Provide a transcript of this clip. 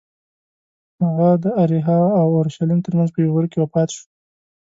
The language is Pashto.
هغه د اریحا او اورشلیم ترمنځ په یوه غره کې وفات شو.